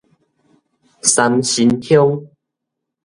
三星鄉